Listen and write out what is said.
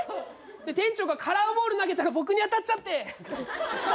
で店長がカラーボール投げたら僕に当たっちゃって。